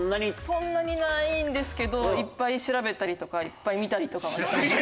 そんなにないんですけどいっぱい調べたりとかいっぱい見たりとかは。